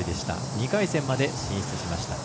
２回戦まで進出しました。